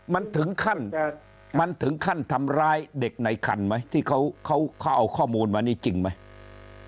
มันถึงขั้นตามร้ายเด็กในคันไหมที่เขาเข้าข้อมูลมานี้จริงไหม